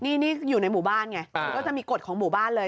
นี่อยู่ในหมู่บ้านไงก็จะมีกฎของหมู่บ้านเลย